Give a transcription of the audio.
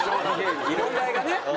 問題がね。